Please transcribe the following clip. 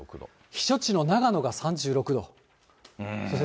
避暑地の長野が３６度。